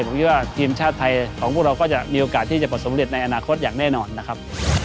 ผมคิดว่าทีมชาติไทยของพวกเราก็จะมีโอกาสที่จะประสบเร็จในอนาคตอย่างแน่นอนนะครับ